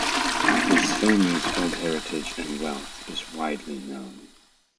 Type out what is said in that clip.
His family's old heritage and wealth is widely known.